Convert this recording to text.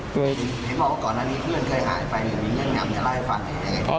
เห็นบอกว่าก่อนหน้านี้เพื่อนเคยหายไปมีเงินหยั่งหยั่งมีร่ายฝัน